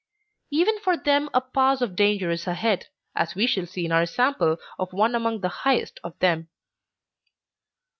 Even for them a pass of danger is ahead, as we shall see in our sample of one among the highest of them.